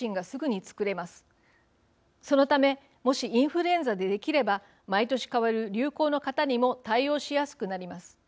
そのためもしインフルエンザでできれば毎年変わる流行の型にも対応しやすくなります。